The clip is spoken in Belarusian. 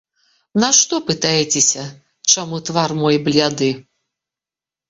Нашто пытаецеся, чаму твар мой бляды?